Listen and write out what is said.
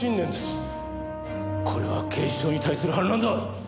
これは警視庁に対する反乱だ。